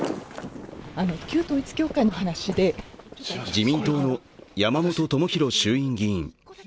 自民党の山本朋広衆院議員。